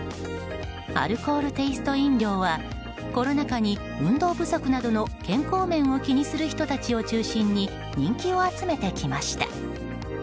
アルコールテイスト飲料はコロナ禍に運動不足などの健康面を気にする人たちを中心に人気を集めてきました。